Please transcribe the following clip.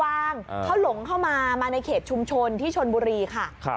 เขาหลงเข้ามามาในเขตชุมชนที่ชนบุรีค่ะ